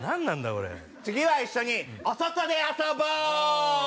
これ次は一緒にお外で遊ぼう！